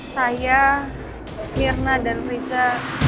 saya mirna dan riza